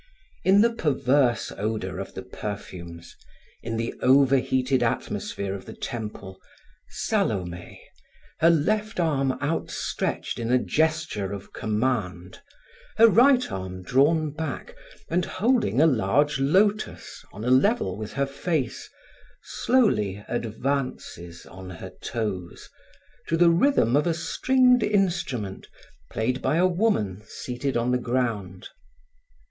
In the perverse odor of the perfumes, in the overheated atmosphere of the temple, Salome, her left arm outstretched in a gesture of command, her right arm drawn back and holding a large lotus on a level with her face, slowly advances on her toes, to the rhythm of a stringed instrument played by a woman seated on the ground.